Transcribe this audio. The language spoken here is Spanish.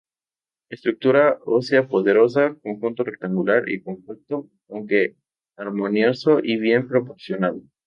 Estructura ósea poderosa, conjunto rectangular y compacto, aunque armonioso y bien proporcionado.